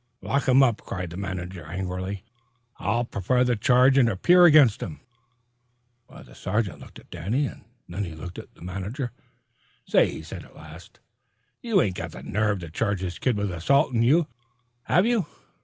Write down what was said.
"Lock him up!" cried the manager angrily. "I'll prefer the charge and appear against him." The sergeant looked at Danny and then at the manager. "Say!" he said at last, "you ain't got the nerve to charge this kid with assaulting you, have you?"